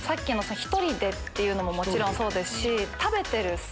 １人でっていうのももちろんそうですし。